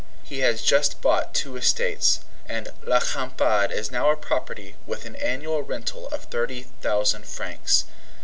He has just bought two estates, and La Crampade is now a property with an annual rental of thirty thousand francs.